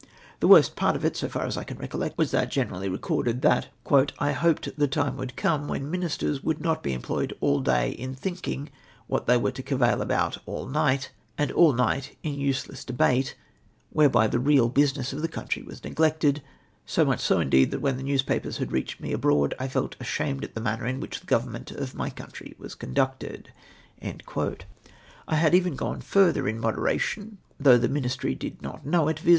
The worst part of it, so far as I can recollect, was that generally recorded, that " I hoped the time would come Avhen ministers would not be employed all day in thinldng what tliey were to cavil about all night, and all night in useless debate — whereby the real business of the country was neglected ; so much so indeed, that when the newspapers had reached me abroad, I felt ashamed at tlie manner in which the o overnment of D my country was conducted." I had even gone further in moderation, though the Ministry did not know it, viz.